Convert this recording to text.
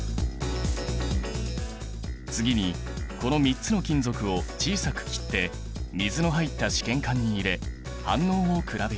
次にこの３つの金属を小さく切って水の入った試験管に入れ反応を比べよう。